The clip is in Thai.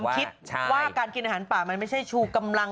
คิดว่าการกินอาหารป่ามันไม่ใช่ชูกำลัง